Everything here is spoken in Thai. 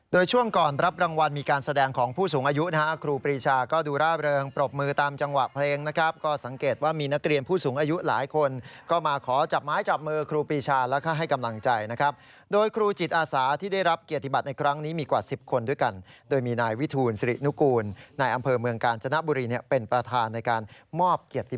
โดยช่วงก่อนรับรางวัลมีการแสดงของผู้สูงอายุนะครับครูปีชาก็ดูร่าเริงปรบมือตามจังหวะเพลงนะครับก็สังเกตว่ามีนักเรียนผู้สูงอายุหลายคนก็มาขอจับไม้จับมือครูปีชาและให้กำลังใจนะครับโดยครูจิตอาสาที่ได้รับเกียรติบัติในครั้งนี้มีกว่าสิบคนด้วยกันโดยมีนายวิทูลศรีนุกูลนายอ